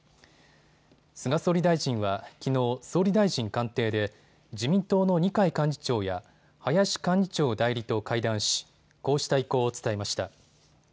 菅総理大臣はきのう総理大臣官邸で自民党の二階幹事長や林幹事長代理と会談しこうした意向を伝えました。